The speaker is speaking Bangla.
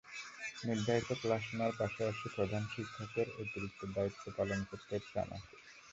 নির্ধারিত ক্লাস নেওয়ার পাশাপাশি প্রধান শিক্ষকের অতিরিক্ত দায়িত্ব পালন করতে হচ্ছে আমাকে।